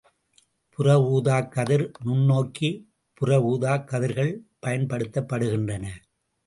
புறஊதாக் கதிர் நுண்ணோக்கி புற ஊதாக் கதிர்கள் பயன்படுத்தப்படுகின்றன.